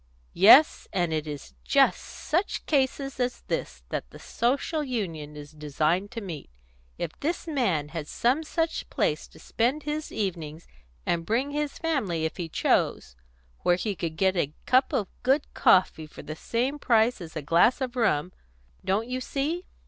"Yes; and it is just such cases as this that the Social Union is designed to meet. If this man had some such place to spend his evenings and bring his family if he chose where he could get a cup of good coffee for the same price as a glass of rum Don't you see?"